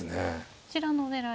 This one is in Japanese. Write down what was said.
こちらの狙い。